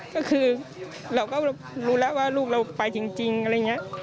ก็คือเราก็รู้แล้วว่าลูกเราไปจริงอะไรอย่างนี้